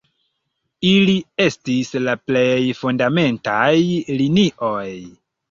Ili estis la plej fundamentaj linioj.